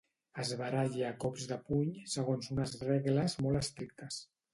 Es baralli a cops de puny segons unes regles molt estrictes.